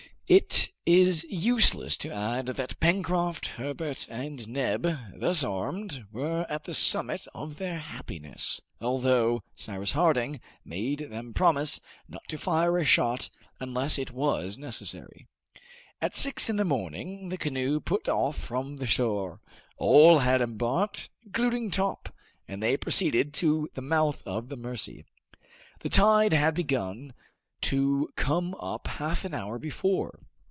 It is useless to add that Pencroft, Herbert, and Neb, thus armed, were at the summit of their happiness, although Cyrus Harding made them promise not to fire a shot unless it was necessary. At six in the morning the canoe put off from the shore; all had embarked, including Top, and they proceeded to the mouth of the Mercy. The tide had begun to come up half an hour before.